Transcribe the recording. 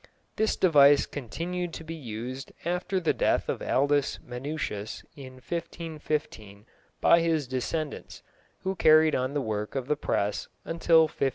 This device continued to be used after the death of Aldus Manutius in 1515 by his descendants, who carried on the work of the press until 1597.